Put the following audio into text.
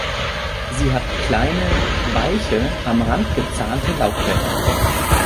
Sie hat kleine, „weiche“, am Rand gezähnte Laubblätter.